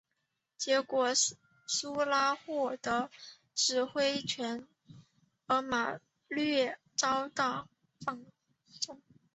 结果苏拉获得指挥权而马略遭到放逐。